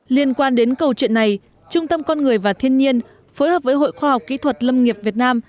liên quan đến câu chuyện này trung tâm con người và thiên nhiên phối hợp với hội khoa học kỹ thuật lâm nghiệp việt nam